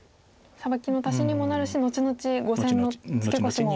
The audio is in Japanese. サバキの足しにもなるし後々５線のツケコシも狙えると。